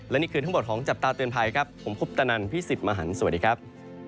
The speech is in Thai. และนี่คือทั้งหมดของจับตาเตือนภัยครับผมคุปตนันพี่สิทธิ์มหันฯสวัสดีครับ